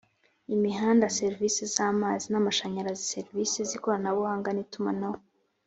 imihanda serivisi z amazi n amashanyarazi serivisi z ikoranabuhanga n itumanaho